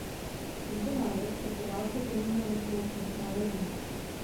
Tento návrh se po válce proměnil ve Společnost národů.